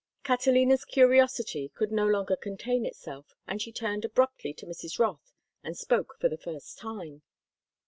Catalina's curiosity could no longer contain itself, and she turned abruptly to Mrs. Rothe and spoke for the first time.